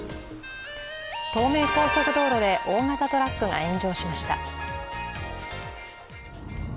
東名高速道路で大型トラックが炎上しました。